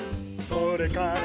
「それから」